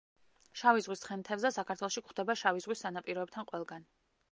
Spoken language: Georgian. შავი ზღვის ცხენთევზა საქართველოში გვხვდება შავი ზღვის სანაპიროებთან ყველგან.